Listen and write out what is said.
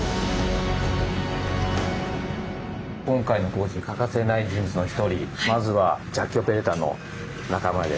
今回の工事に欠かせない人物の一人まずはジャッキオペレーターの中村です。